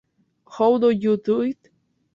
How Do You Do It?